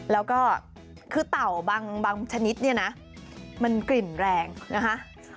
แล้วก็คือเต่าบางชนิดเนี่ยนะมันกลิ่นแรงนะคะ